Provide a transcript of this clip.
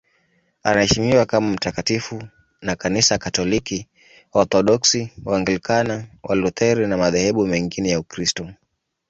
Anaheshimiwa kama mtakatifu na Kanisa Katoliki, Waorthodoksi, Waanglikana, Walutheri na madhehebu mengine ya Ukristo.